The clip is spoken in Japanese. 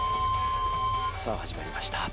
さあ始まりました。